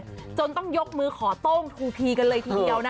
ไม่หยุดเลยจนต้องยกมือขอโต้งทูพีกันเลยทีเดียวนะฮะ